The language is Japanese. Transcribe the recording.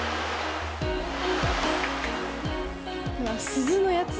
鈴のやつ。